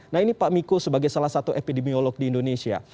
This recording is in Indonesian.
nah ini pak miko sebagai salah satu epidemiolog di indonesia